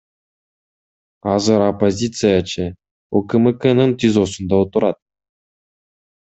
Азыр оппозициячы УКМКнын ТИЗОсунда отурат.